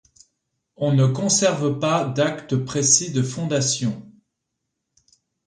On ne conserve pas d’acte précis de fondation.